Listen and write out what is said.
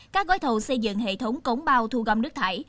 các gói thầu xây dựng hệ thống cống bao thu gom nước thải